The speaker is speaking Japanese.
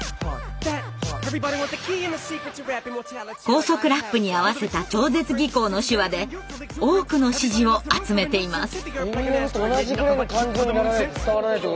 高速ラップに合わせた超絶技巧の手話で多くの支持を集めています。